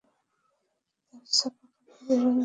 তিনি তার ছাপাখানার বিবরণ দিতে গিয়ে বলতেন -